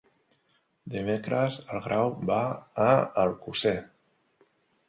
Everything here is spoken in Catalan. Dimecres en Grau va a Alcosser.